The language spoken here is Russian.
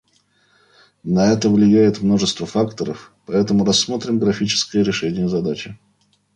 На это влияет множество факторов, поэтому рассмотрим графическое решение задачи